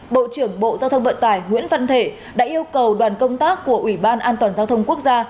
bộ trưởng bộ giao thông vận tải nguyễn văn thể đã yêu cầu đoàn công tác của ủy ban an toàn giao thông quốc gia